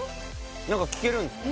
何か聴けるんですか？